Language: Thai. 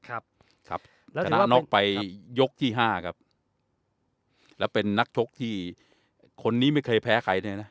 ครับครับชนะน็อกไปยกที่ห้าครับแล้วเป็นนักชกที่คนนี้ไม่เคยแพ้ใครเนี่ยนะ